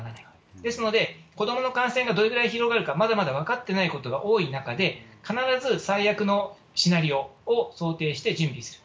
ですので、子どもの感染がどれぐらい広がるか、まだまだ分かっていないことが多い中で、必ず最悪のシナリオを想定して、準備する。